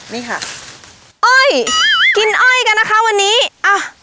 นี่ค่ะอ้อยกินอ้อยกันนะคะวันนี้อ่ะ